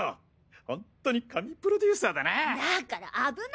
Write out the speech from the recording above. ホントに神プロデューサーだな。